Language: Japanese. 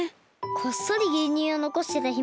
こっそりぎゅうにゅうをのこしてた姫。